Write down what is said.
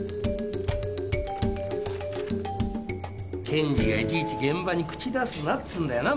検事がいちいち現場に口出すなっつうんだよな。